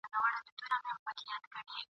وخته ویده ښه یو چي پایو په تا نه سمیږو !.